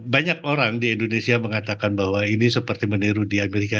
banyak orang di indonesia mengatakan bahwa ini seperti meniru di amerika